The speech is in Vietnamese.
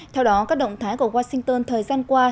theo đó các động thái của washington thời gian qua